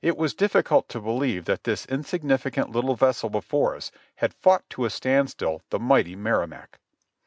It was difficult to believe that this insignifi cant little vessel before us had fought to a standstill the mighty Mcrrimac.